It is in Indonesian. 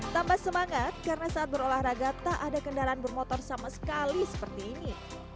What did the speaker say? tambah semangat karena saat berolahraga tak ada kendaraan bermotor sama sekali seperti ini